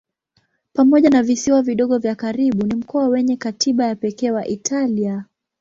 Pamoja na visiwa vidogo vya karibu ni mkoa wenye katiba ya pekee wa Italia.